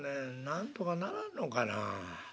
なんとかならんのかな。